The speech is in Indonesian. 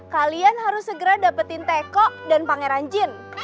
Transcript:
kalian harus segera dapetin teko dan pangeran jin